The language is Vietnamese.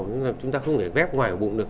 nhưng mà chúng ta không thể ghép ngoài hồ bụng được